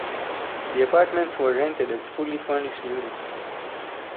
The apartments were rented as fully furnished units.